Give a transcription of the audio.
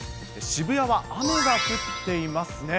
渋谷は雨が降っていますね。